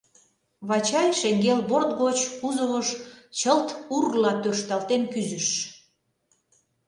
Вачай шеҥгел борт гоч кузовыш чылт урла тӧршталтен кӱзыш.